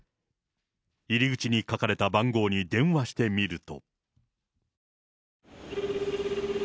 入り口に書かれた番号に電話してみると。